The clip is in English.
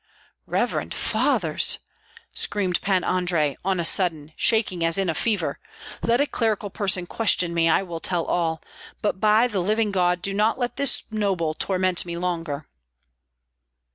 "Revered fathers!" screamed Pan Andrei, on a sudden, shaking as in a fever, "let a clerical person question me, I will tell all. But by the living God do not let this noble torment me longer!"